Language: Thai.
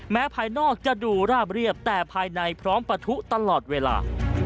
ภายนอกจะดูราบเรียบแต่ภายในพร้อมปะทุตลอดเวลา